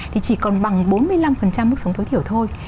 thì chỉ còn bằng bốn mươi năm mức sống tối thiểu thôi